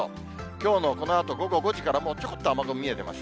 きょうのこのあと午後５時から、もうちょこっと雨雲見えてます。